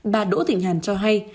bà đỗ thịnh hàn cho hay